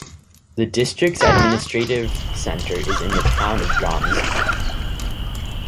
The district's administrative centre is the town of Ghanzi.